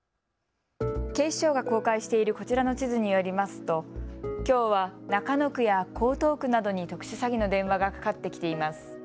警視庁が公開しているこちらの地図によりますときょうは中野区や江東区などに特殊詐欺の電話がかかってきています。